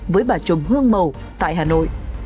với bà chồng hương mầu tại hà nội